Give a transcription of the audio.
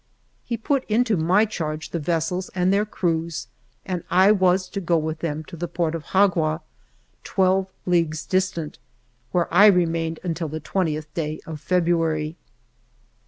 He put into my charge the vessels and their crews, and I was to go with them to the port of Xagua, twelve leagues distant, where I remained until the 20th day of February.